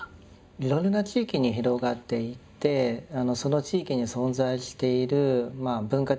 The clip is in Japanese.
いろいろな地域に広がっていってその地域に存在している文化的な伝統とかですね